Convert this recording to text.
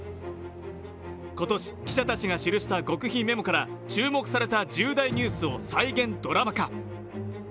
今年、記者たちが記した極秘メモから注目された重大ニュースを再現ドラマ化。